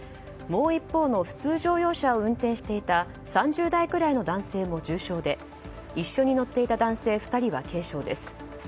もう一方の普通乗用車を運転していた３０代くらいの男性も重傷で一緒に乗っていた男性２人は軽傷です。